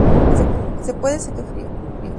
Se puede servir caliente o frío.